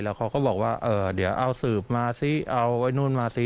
แล้วเขาก็บอกว่าเดี๋ยวเอาสืบมาซิเอาไว้นู่นมาซิ